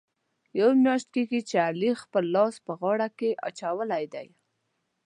یوه میاشت کېږي، چې علي خپل لاس په غاړه کې اچولی دی.